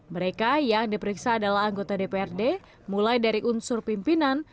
mereka yang diperiksa adalah anggota dprd mulai dari unsur pimpinan